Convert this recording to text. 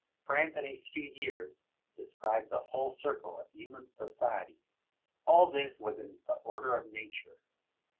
France, in a few years, described the whole circle of human society. All this was in the order of nature.